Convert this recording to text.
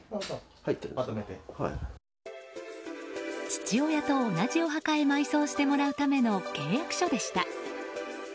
父親と同じお墓へ埋葬してもらうための契約書でした。